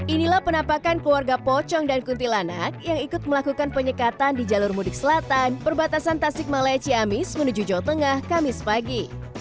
inilah penampakan keluarga pocong dan kuntilanak yang ikut melakukan penyekatan di jalur mudik selatan perbatasan tasik malaya ciamis menuju jawa tengah kamis pagi